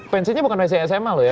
pensinya bukan usia sma loh ya